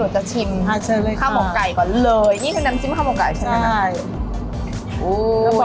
ตอนนี้หนูจะชิม